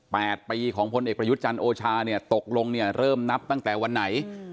แปดปีของพลเอกประยุทธ์จันทร์โอชาเนี่ยตกลงเนี่ยเริ่มนับตั้งแต่วันไหนอืม